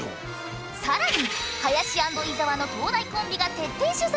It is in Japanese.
さらに林＆伊沢の東大コンビが徹底取材